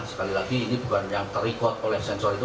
sekali lagi ini bukan yang terikot oleh sensor itu